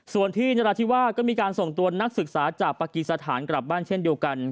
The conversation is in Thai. ส่วนที่นราธิวาสก็มีการส่งตัวนักศึกษาจากปากีสถานกลับบ้านเช่นเดียวกัน